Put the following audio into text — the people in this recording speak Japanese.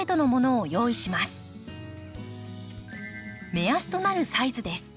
目安となるサイズです。